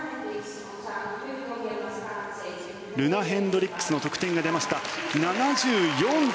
ルナ・ヘンドリックスの得点が出ました。